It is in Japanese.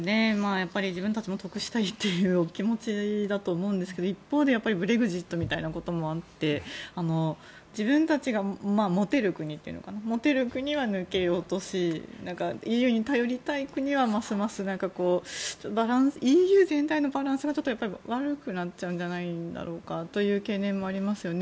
やっぱり自分たちが得したいというお気持ちだと思うんですけど一方でブレグジットみたいなこともあって自分たちが持てる国というのか持てる国は抜けようとしＥＵに頼りたい国はますますＥＵ全体のバランスがちょっと悪くなっちゃうんじゃないかという懸念もありますよね。